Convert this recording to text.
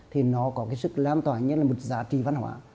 thì nó có cái sức lan tỏa như là một giá trị văn hóa